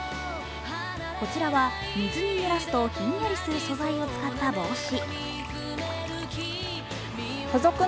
こちらは水にぬらすとひんやりする素材を使った帽子。